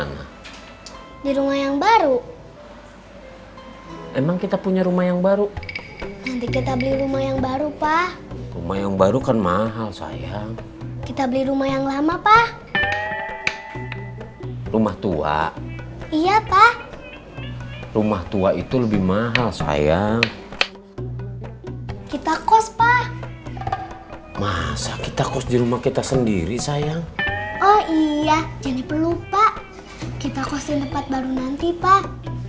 jadi perlu pak kita kos di tempat baru nanti pak